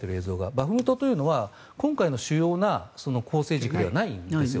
バフムトというのは今回の主要な構成軸ではないんですよ。